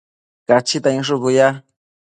Cachita inshucu ya